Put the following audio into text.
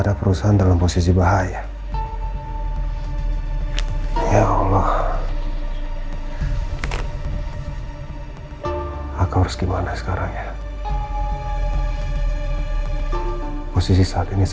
dengan apa yang aku alamin